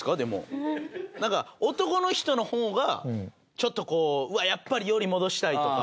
なんか男の人の方がちょっとこう「やっぱりより戻したい」とか。